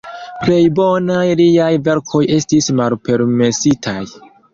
Plej bonaj liaj verkoj estis malpermesitaj.